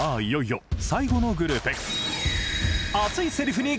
いよいよ最後のグループ。